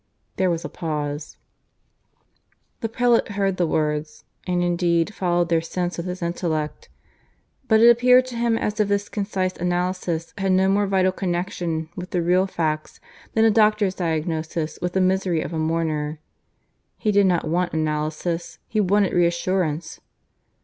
There was a pause. The prelate heard the words, and indeed followed their sense with his intellect; but it appeared to him as if this concise analysis had no more vital connection with the real facts than a doctor's diagnosis with the misery of a mourner. He did not want analysis; he wanted reassurance.